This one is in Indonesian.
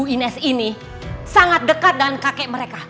uines ini sangat dekat dengan kakek mereka